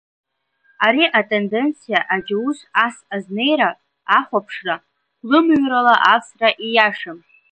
Ари атенденциа аџьаус ас азнеира, ахәаԥшра, гәлымыҩрала авсра ииашам.